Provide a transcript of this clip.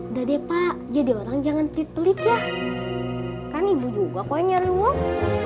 udah deh pak jadi orang jangan pelit pelit ya kan ibu juga kok yang nyari uang